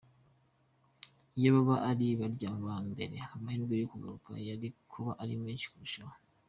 Iyo baba ari barya ba mbere amahirwe yo kugaruka yari kuba ari menshi kurushaho.